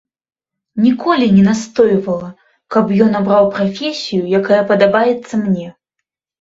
Ніколі не настойвала, каб ён абраў прафесію, якая падабалася мне.